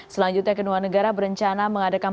selanjutnya kedua negara berencana mengadakan